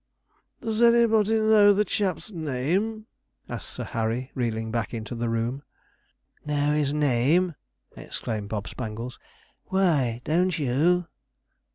'Does anybody know the chap's name?' asked Sir Harry, reeling back into the room. 'Know his name!' exclaimed Bob Spangles; 'why, don't you?'